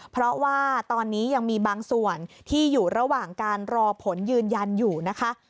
เพราะว่าตอนนี้ยังมีบางส่วนที่อยู่ระหว่างการรอผลยืนยันอยู่นะคะ